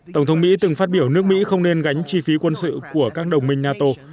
tổng thống mỹ từng phát biểu nước mỹ không nên gánh chi phí quân sự của các đồng minh nato